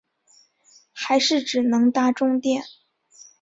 还是只能搭终电